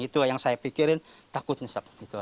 itu yang saya pikirin takut nyesep